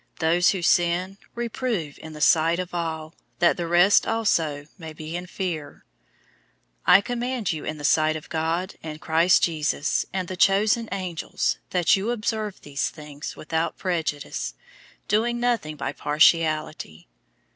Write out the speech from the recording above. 005:020 Those who sin, reprove in the sight of all, that the rest also may be in fear. 005:021 I charge you in the sight of God, and Christ Jesus, and the chosen angels, that you observe these things without prejudice, doing nothing by partiality.